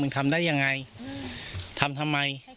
ทำได้อย่างไรทำทำไม